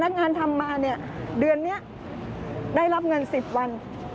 งานทำมาเนี่ยเดือนนี้ได้รับเงิน๑๐วัน